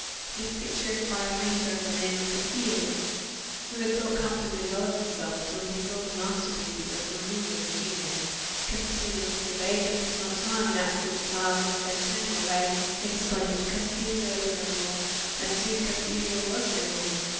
This picture is by a painter of the name of Castillo, who had thought comfortably well of himself, till he saw the master pieces of Murillo's genius; Castillo surveyed them for some time in absolute silence, then turning away, exclaimed Castillo is no more! and soon Castillo was no more.